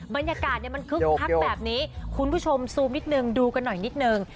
บรรยากาศมันคึกคักแบบนี้คุณผู้ชมซูมนิดนึงดูกันหน่อยนิดนึง